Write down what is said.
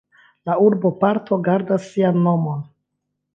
La urboparto gardas sian nomon.